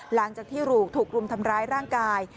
หลังจากที่ถูกรุมทำร้ายร่างกาย